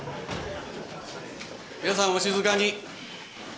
皆さんお静かに。